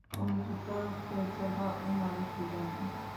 Como resultado se observa una luz brillante.